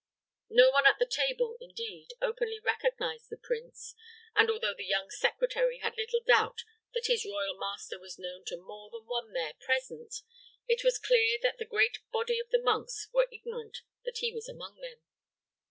No one at the table, indeed, openly recognized the prince; and, although the young secretary had little doubt that his royal master was known to more than one there present, it was clear the great body of the monks were ignorant that he was among them.